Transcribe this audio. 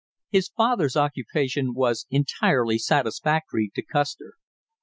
His father's occupation was entirely satisfactory to Custer.